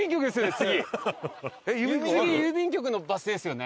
次郵便局のバス停ですよね。